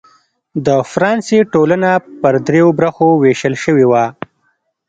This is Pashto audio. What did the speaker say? د فرانسې ټولنه پر دریوو برخو وېشل شوې وه.